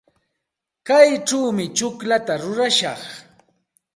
Kaychawmi tsukllata rurashaq.